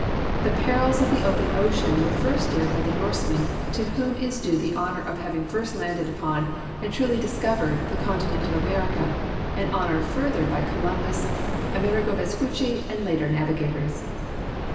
The perils of the open ocean were first dared by the Norsemen, to whom is due the honor of having first landed upon and truly discovered the conti nent of America, an honor furthered by Columbus, Amer igo Vespucci and later navigators.